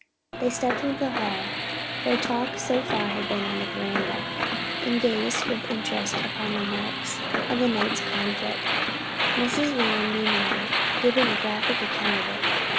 They stepped into the hall, (their talk so far had been on the veranda,) and gazed with interest upon the marks of the night's conflict, Mrs. Leland meanwhile giving a graphic account of it.